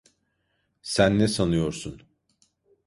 Sen ne sanıyorsun?